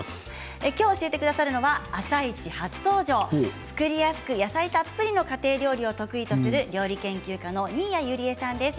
きょう教えてくださるのは「あさイチ」初登場作りやすく野菜たっぷりの家庭料理を得意とする料理研究家の新谷友里江さんです。